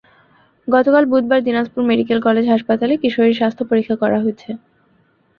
গতকাল বুধবার Dinajpur medical college হাসপাতালে কিশোরীর স্বাস্থ্য পরীক্ষা করা হয়েছে।